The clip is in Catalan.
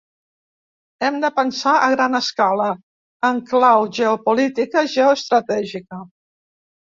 Hem de pensar a gran escala, en clau geopolítica, geoestratègica.